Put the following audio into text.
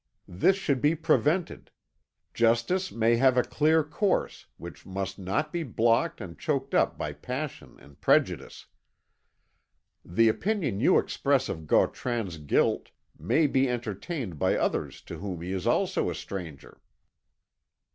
This should be prevented; justice must have a clear course, which must not be blocked and choked up by passion and prejudice. The opinion you express of Gautran's guilt may be entertained by others to whom he is also a stranger."